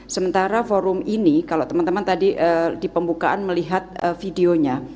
sementara forum ini kalau teman teman tadi di pembukaan melihat videonya